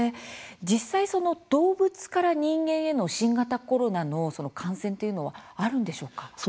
実際その動物から人間への新型コロナの感染というのはあるんでしょうか？